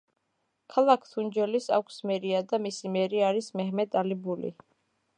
ქალაქ თუნჯელის აქვს მერია და მისი მერი არის მეჰმედ ალი ბული.